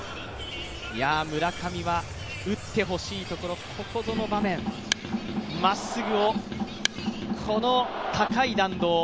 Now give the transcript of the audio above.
村上は打ってほしいところ、ここぞの場面、まっすぐを、この高い弾道。